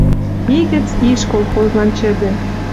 И гӹц иш колхозлан чӹдӹ